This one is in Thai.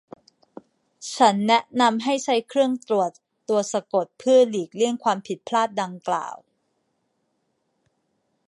ฉันแนะนำให้ใช้เครื่องตรวจตัวสะกดเพื่อหลีกเลี่ยงความผิดพลาดดังกล่าว